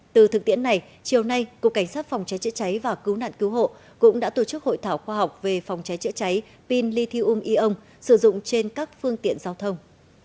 từ thực tiễn này chiều nay cục cảnh sát phòng cháy chữa cháy và cứu nạn cứu hộ cũng đã tổ chức hội thảo khoa học về phòng cháy chữa cháy pin lithium ion sử dụng trên các phương tiện giao thông